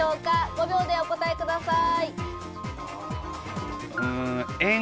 ５秒でお答えください。